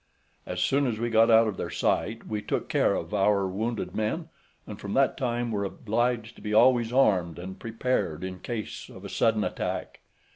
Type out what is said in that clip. As soon as we got out of their sight, we took care of our wounded men, and from that time were obliged to be always armed and prepared in case of sudden attack.